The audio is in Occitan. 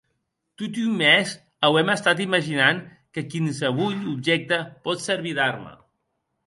Tot un mes auem estat imaginant que quinsevolh objècte pòt servir d'arma.